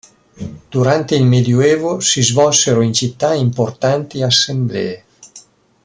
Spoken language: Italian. Durante il medioevo si svolsero in città importanti assemblee.